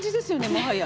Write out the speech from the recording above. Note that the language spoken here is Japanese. もはや。